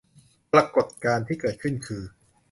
ปรากฎการณ์ที่เกิดขึ้นคือ